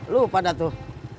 lo pada tuh